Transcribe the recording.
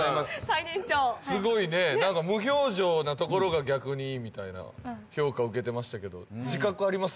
最年長すごいね何か無表情なところが逆にいいみたいな評価を受けてましたけど自覚あります？